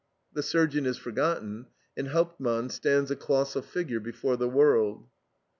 The surgeon is forgotten, and Hauptmann stands a colossal figure before the world.